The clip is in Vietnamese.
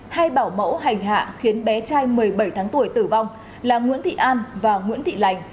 hai bảo mẫu hành hạ khiến bé trai một mươi bảy tháng tuổi tử vong là nguyễn thị an và nguyễn thị lành